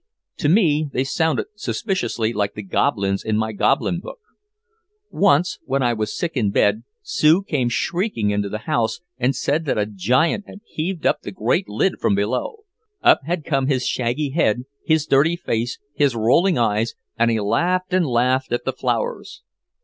To me they sounded suspiciously like the goblins in my goblin book. Once when I was sick in bed, Sue came shrieking into the house and said that a giant had heaved up that great lid from below. Up had come his shaggy head, his dirty face, his rolling eyes, and he had laughed and laughed at the flowers.